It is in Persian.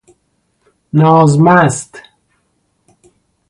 ناز مست